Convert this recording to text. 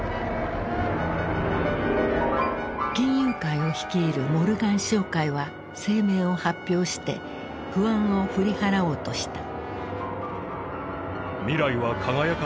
金融界を率いるモルガン商会は声明を発表して不安を振り払おうとした。